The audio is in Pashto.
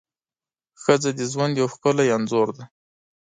ښځه د ژوند یو ښکلی انځور ده.